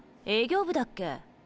営業部だっけ？